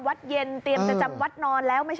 ไปดูภาพเหตุการณ์กันนะครับคุณผู้ชม